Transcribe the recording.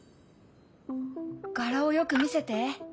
柄をよく見せて。